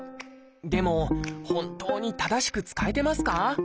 でも本当に正しく使えてますか？